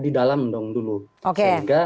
di dalam dong dulu sehingga